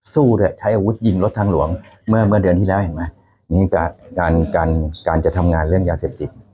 สู้ด้วยใช้อาวุธยิงรถทางหลวงเมื่อเดือนที่แล้วเห็นไหมนี่การการจะทำงานเรื่องยาเสพติด